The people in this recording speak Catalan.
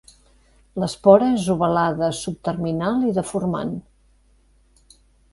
L'espora és ovalada subterminal i deformant.